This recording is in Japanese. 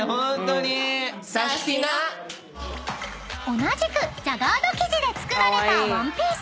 ［同じくジャガード生地で作られたワンピース］